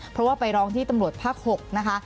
เพราะว่าไปร้องที่ตำรวจภาค๖นะคะ